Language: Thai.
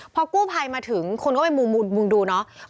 พอกู้ภัยมาถึงคนก็ไปมุ่งดูเนาะ